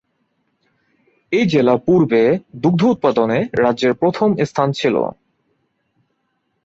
এই জেলা পূর্বে দুগ্ধ উৎপাদনে রাজ্যের প্রথম স্থান ছিল।